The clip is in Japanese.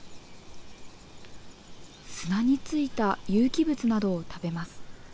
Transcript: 砂に付いた有機物などを食べます。